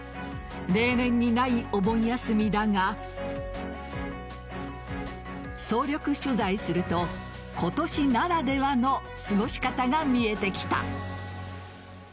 例年にないお盆休みだが総力取材すると、今年ならではの過ごし方が見えてきた。